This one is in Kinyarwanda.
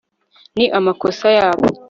ni amakosa yabo